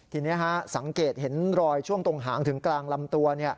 ทีนี้สังเกตเห็นรอยช่วงตรงหางถึงกลางลำตัว